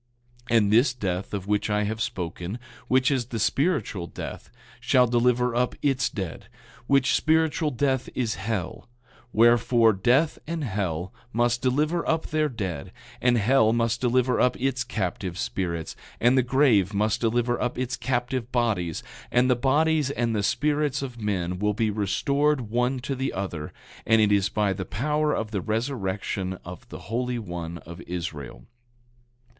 9:12 And this death of which I have spoken, which is the spiritual death, shall deliver up its dead; which spiritual death is hell; wherefore, death and hell must deliver up their dead, and hell must deliver up its captive spirits, and the grave must deliver up its captive bodies, and the bodies and the spirits of men will be restored one to the other; and it is by the power of the resurrection of the Holy One of Israel.